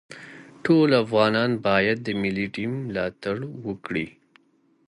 ټول افغانان باید د ملي ټیم ملاتړ وکړي.